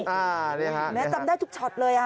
แม้จำได้ทุกช็อตเลยอ่ะ